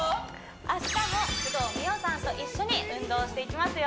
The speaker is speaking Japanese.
明日も工藤美桜さんと一緒に運動していきますよ